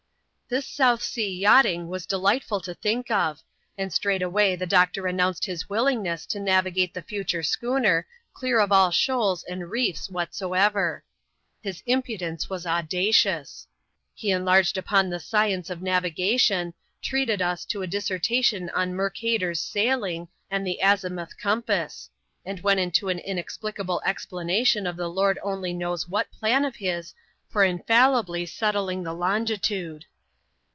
This South Sea yachting was delightful to think of; and straightway the doctor announced his willingness to navigate the future schooner clear of all shoals and reefs whatsoever. £[is impudence was audacious. He enlarged upon the science of navigation ; treated us to a dissertation on Mercator's Sailing, and the Azimuth compass ; and went into an inexplicable ex planation of the Lord only knows what plan of his, for infal libly settling the longitude.